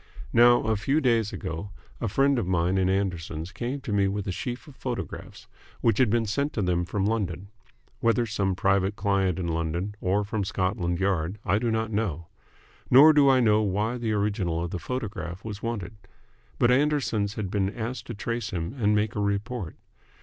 Now, a few days ago, a friend of mine in Anderson's came to me with a sheaf of photographs, which had been sent to them from London. Whether some private client in London or from Scotland Yard I do not know. Nor do I know why the original of the photograph was wanted. But Anderson's had been asked to trace him and make a report.